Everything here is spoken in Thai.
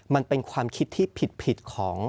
มันเป็นความคิดที่ผิดของ